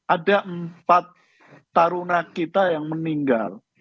ada empat taruna kita yang meninggal